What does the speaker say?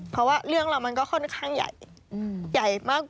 เพราะว่าเรื่องเรามันก็ค่อนข้างใหญ่